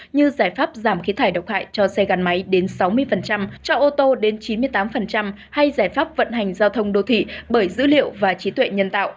như giải pháp giảm khí thải độc hại cho xe gắn máy đến sáu mươi cho ô tô đến chín mươi tám hay giải pháp vận hành giao thông đô thị bởi dữ liệu và trí tuệ nhân tạo